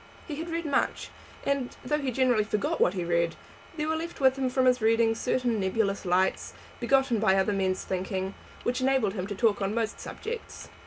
He had read much, and, though he generally forgot what he read, there were left with him from his readings certain nebulous lights, begotten by other men's thinking, which enabled him to talk on most subjects.